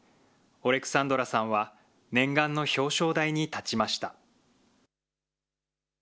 オレクサンドラさんは念願の表彰台に立ちました。